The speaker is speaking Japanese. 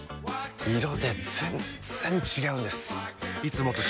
色で全然違うんです！